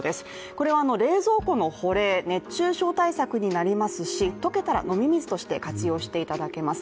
これは冷蔵庫の保冷、熱中症対策になりますし溶けたら飲み水として活用していただけます。